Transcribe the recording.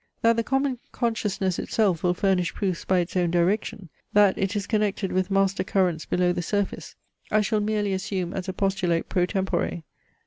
That the common consciousness itself will furnish proofs by its own direction, that it is connected with master currents below the surface, I shall merely assume as a postulate pro tempore.